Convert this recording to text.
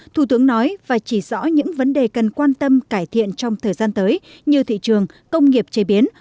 thủ tướng nói và chỉ rõ những vấn đề cần quan tâm cải thiện trong thời gian tới như thị trường công nghiệp chế biến